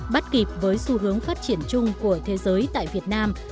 bắt kịp với xu hướng phát triển chung của thế giới tại việt nam